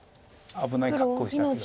危ない格好してたけど。